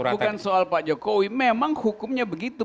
bukan soal pak jokowi memang hukumnya begitu